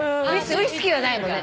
ウイスキーはないもんね。